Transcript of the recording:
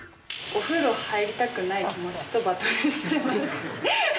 お風呂入りたくない気持ちとバトルしてます。